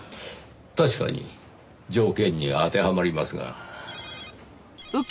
確かに条件に当てはまりますが。